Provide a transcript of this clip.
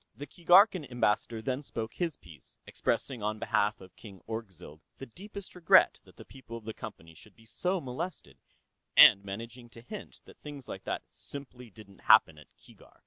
The Keegarkan Ambassador then spoke his piece, expressing on behalf of King Orgzild the deepest regret that the people of the Company should be so molested, and managing to hint that things like that simply didn't happen at Keegark.